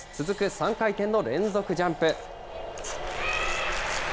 続く３回転の連続ジャンプ。